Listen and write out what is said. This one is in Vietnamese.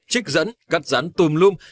trích dẫn cắt rắn tùm lum